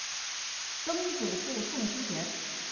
曾祖父宋思贤。